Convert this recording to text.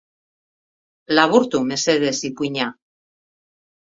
Laburtu mesedez ipuina.